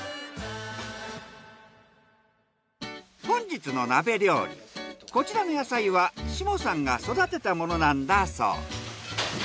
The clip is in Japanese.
本日の鍋料理こちらの野菜は下さんが育てたものなんだそう。